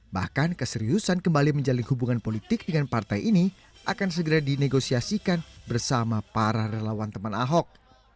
bahkan keseriusan kembali menjalin hubungan politik dengan partai ini akan segera dinegosiasikan bersama para relawan teman ahok